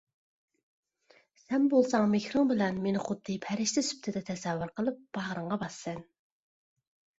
سەن بولساڭ مېھرىڭ بىلەن مېنى خۇددى پەرىشتە سۈپىتىدە تەسەۋۋۇر قىلىپ باغرىڭغا باسىسەن.